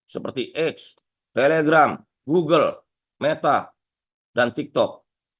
seperti x telegram google meta dan tiktok